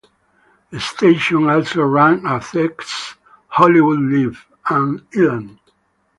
The station also ran "Access Hollywood Live" and "Ellen".